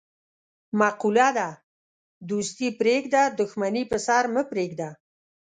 مقوله ده: دوستي پرېږده، دښمني په سر مه پرېږده.